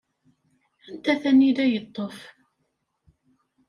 Anta tanila yeṭṭef?